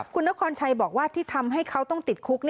คุณนครชัยบอกว่าที่ทำให้เขาต้องติดคุก